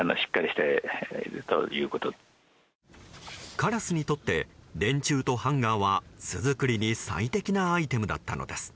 カラスにとって電柱とハンガーは巣作りに最適なアイテムだったのです。